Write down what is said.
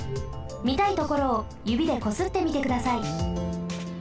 みたいところをゆびでこすってみてください。